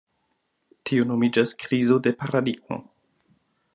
Tio nomiĝas "krizo de paradigmo".